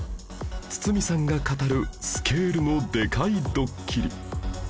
堤さんが語るスケールのでかいドッキリ